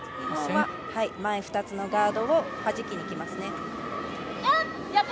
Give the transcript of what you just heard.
日本は前２つのガードをはじきにいきます。